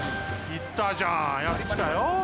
いったじゃんヤツきたよ。